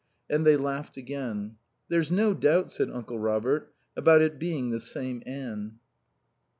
And they laughed again. "There's no doubt," said Uncle Robert, "about it being the same Anne."